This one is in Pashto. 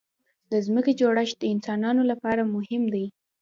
د ځمکې جوړښت د انسانانو لپاره مهم دی.